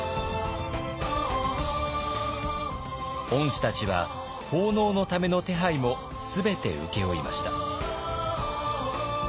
御師たちは奉納のための手配も全て請け負いました。